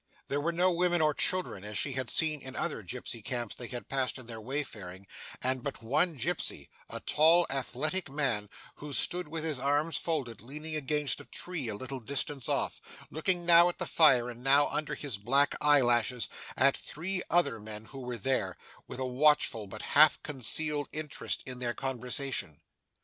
There were no women or children, as she had seen in other gipsy camps they had passed in their wayfaring, and but one gipsy a tall athletic man, who stood with his arms folded, leaning against a tree at a little distance off, looking now at the fire, and now, under his black eyelashes, at three other men who were there, with a watchful but half concealed interest in their conversation.